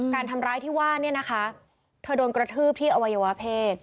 การทำร้ายที่ว่าเนี่ยนะคะเธอโดนกระทืบที่อวัยวะเพศ